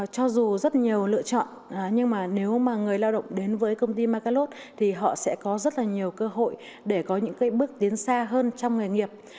cho dù rất nhiều lựa chọn nhưng mà nếu mà người lao động đến với công ty macalot thì họ sẽ có rất là nhiều cơ hội để có những bước tiến xa hơn trong nghề nghiệp